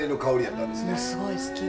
もうすごい好き。